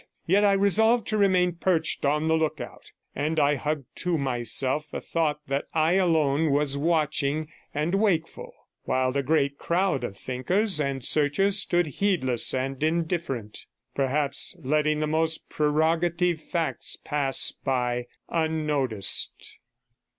Yet I resolved to remain perched on the lookout, and I hugged to myself the thought that I alone was watching and wakeful, while the great crowd of thinkers and searchers stood heedless and indifferent, perhaps letting the most prerogative facts pass by unnoticed.